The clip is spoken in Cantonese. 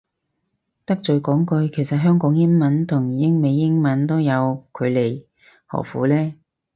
得罪講句，其實香港英文都同英美英文都有距離何苦呢